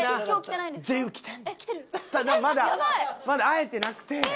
まだ会えてなくて。